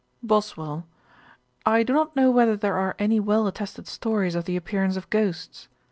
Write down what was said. BOSWELL. 'I do not know whether there are any well attested stories of the appearance of ghosts.